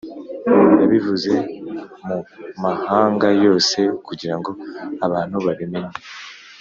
yabivuze mumahanga yose kugirango abantu babimenye